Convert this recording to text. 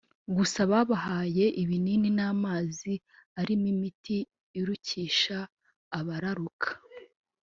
gusa babahaye ibinini n’amazi arimo imiti irukisha abararuka